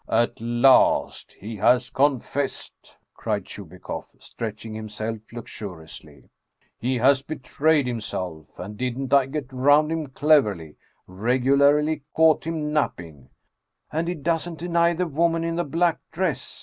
" At last ! He has confessed !" cried Chubikoff , stretch ing himself luxuriously. " He has betrayed himself ! And didn't I get round him cleverly! Regularly caught him napping "" And he doesn't deny the woman in the black dress